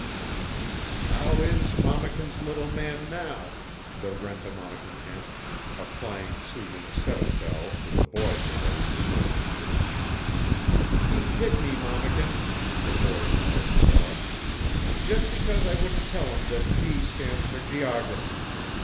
"How is mammakin's little man now?" the rent a mammakin asked, applying soothing sedasalve to the boy Mallory's swollen ear. "He hit me, mammakin," the boy Mallory sobbed. "Just because I wouldn't tell him that 'G' stands for 'Geography'.